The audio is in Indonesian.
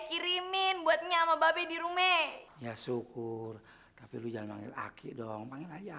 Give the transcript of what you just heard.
kamu teh habisin dulu makannya